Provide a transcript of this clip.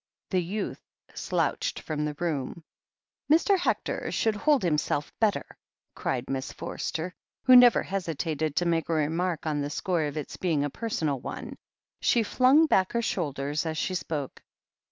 The youth slouched from the room. "Mr. Hector shotdd hold himself better !" cried Miss Forster, who never hesitated to make a remark on the score of its being a personal one. She flung back her shoulders as she spoke.